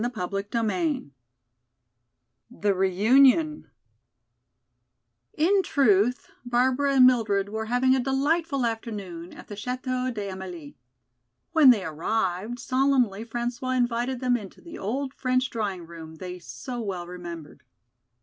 CHAPTER XIX The Reunion In truth, Barbara and Mildred were having a delightful afternoon at the Chateau d'Amélie. When they arrived, solemnly François invited them into the old French drawing room they so well remembered.